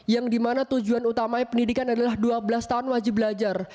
yang dimana tujuan utamanya pendidikan adalah dua belas tahun wajib belajar